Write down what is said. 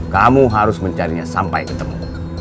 kamu harus mencarinya sampai ketemu